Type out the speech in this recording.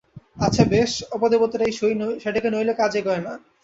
আচ্ছা বেশ, অপদেবতাই সই, সেটাকে নইলে কাজ এগোয় না।